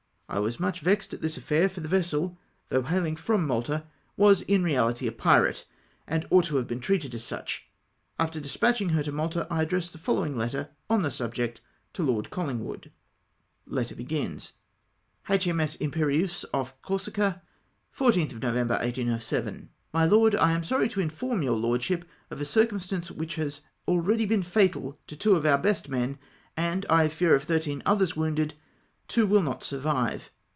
I was much vexed at this affair, for the vessel, though hailing fi'om Malta, was in reahty a pkate, and ought to have been treated as such. After despatching her to Malta, I addressed the following letter on the subject to Lord Collmgwood :— ^t)' " H. M. S. Imperieuse, off Corsica, 14tli Nov. 1807. "My Lord, — I am sorry to inform your Lordship of a cir cumstance which has already been fatal to two of our best men, and I fear of thirteen others wounded two will not sur vive.